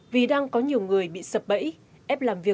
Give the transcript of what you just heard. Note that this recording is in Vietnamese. vì đang có nhiều người bị sập bẫy ép làm việc